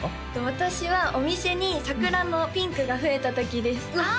私はお店に桜のピンクが増えた時ですあ！